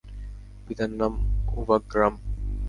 পিতার নামঃ উবাগরাম।